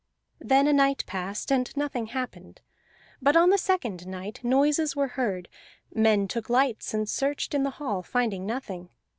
Then a night passed, and nothing happened; but on the second night noises were heard; men took lights and searched in the hall, finding nothing.